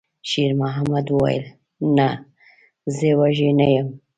شېرمحمد وویل: «نه، زه وږی نه یم.»